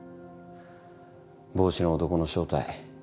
帽子の男の正体。